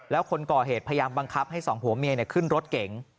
แล้วคนก่อเหตุพยายามบังคับให้สองผัวเมียขึ้นรถเก๋ง